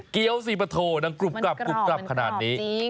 เกี้ยวสิปฏก์ดางกรุบกรับกรุบกรับขนาดนี้